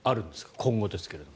今後ですが。